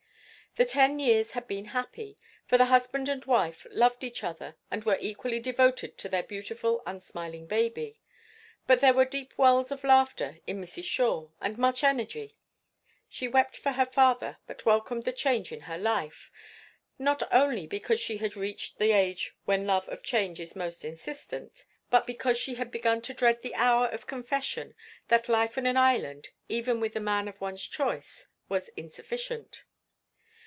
The ten years had been happy, for the husband and wife loved each other and were equally devoted to their beautiful, unsmiling baby. But there were deep wells of laughter in Mrs. Shore, and much energy. She wept for her father, but welcomed the change in her life, not only because she had reached the age when love of change is most insistent, but because she had begun to dread the hour of confession that life on an island, even with the man of one's choice, was insufficient.